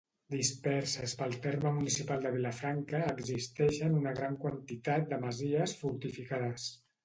Disperses pel terme municipal de Vilafranca existeixen una gran quantitat de masies fortificades.